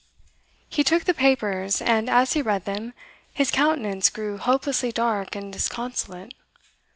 He took the papers; and, as he read them, his countenance grew hopelessly dark and disconsolate.